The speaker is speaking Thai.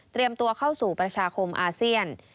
ตัวเข้าสู่ประชาคมอาเซียน